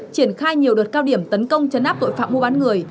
triển khai nhiều đợt cao điểm tấn công chấn áp tội phạm mua bán người